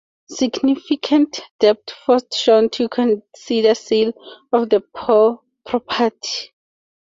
Significant debt forced Shawn to consider sale of the property.